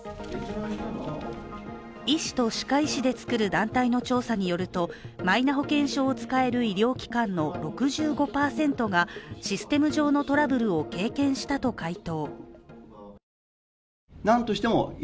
医師と歯科医師で作る団体の調査によると、マイナ保険証を使える医療機関の６５％がシステム上のトラブルを経験したと回答。